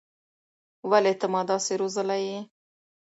ولې ته ما داسې روزلى يې.